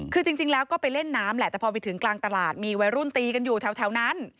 คือจริงแล้วก็ไปเล่นน้ำแหละแต่พอไปถึงกลางตลาดมีวัยรุ่นตีกันอยู่แถวนั้น